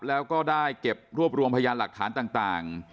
แล้วก็ได้เก็บรวบรวมพยานหลักฐานต่าง